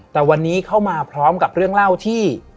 แต่วันนี้เข้ามาพร้อมกับเรื่องเล่าที่